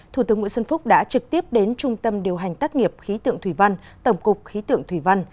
thủ tướng nguyễn xuân phúc đã trực tiếp đến trung tâm điều hành tác nghiệp khí tượng thủy văn tổng cục khí tượng thủy văn